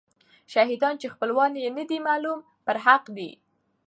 شهیدان چې خپلوان یې نه دي معلوم، برحق دي.